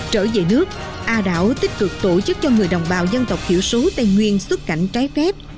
trở về nước a đảo tích cực tổ chức cho người đồng bào dân tộc thiểu số tây nguyên xuất cảnh trái phép